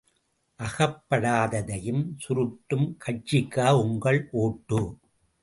அகப்படாததையும் சுருட்டும் கட்சிக்கா உங்கள் ஒட்டு?